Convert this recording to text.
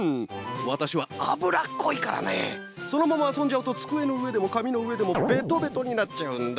わたしはあぶらっこいからねそのままあそんじゃうとつくえのうえでもかみのうえでもベトベトになっちゃうんだ。